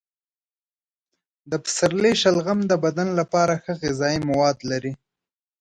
د پسرلي شلغم د بدن لپاره ښه غذايي مواد لري.